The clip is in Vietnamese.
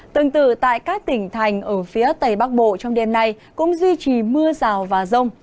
tương tự tại các tỉnh thành ở phía tây bắc bộ trong đêm nay cũng duy trì mưa rào và rông